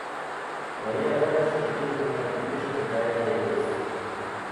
Но я рада, что ты меня увидишь какая я есть.